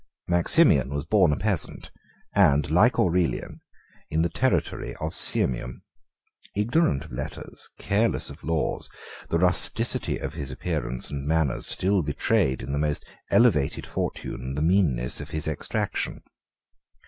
Maximian was born a peasant, and, like Aurelian, in the territory of Sirmium. Ignorant of letters, 7 careless of laws, the rusticity of his appearance and manners still betrayed in the most elevated fortune the meanness of his extraction.